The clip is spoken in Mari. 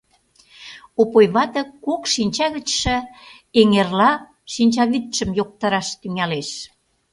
Опой вате кок шинча гычше эҥерла шинчавӱдшым йоктараш тӱҥалеш.